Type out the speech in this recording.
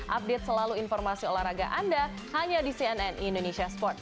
update selalu informasi olahraga anda hanya di cnn indonesia sports